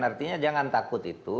artinya jangan takut itu